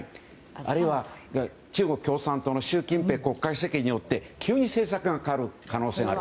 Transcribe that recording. あるいは、中国共産党の習近平国家主席によって急に政策が変わる可能性がある。